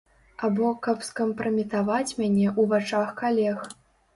Або каб скампраметаваць мяне ў вачах калег.